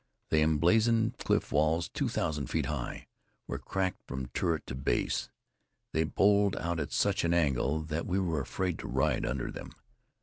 These emblazoned cliff walls, two thousand feet high, were cracked from turret to base; they bowled out at such an angle that we were afraid to ride under them.